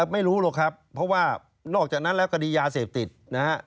ไม่รู้หรอกครับเพราะว่านอกจากนั้นแล้วคดียาเสพติดนะฮะ